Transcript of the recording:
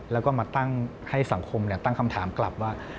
แล้วก็มาตั้งให้สังคมตั้งคำถามกลับว่า